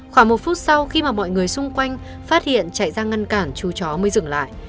khoảng một phút sau khi mà mọi người xung quanh phát hiện chạy ra ngăn cản chú chó mới dừng lại